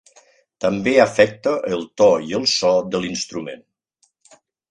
També afecta el to i el so de l'instrument.